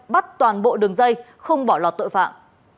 bắt toàn bộ đường dây không bỏ lọt tội phạm